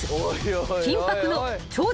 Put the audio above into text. ［緊迫の超絶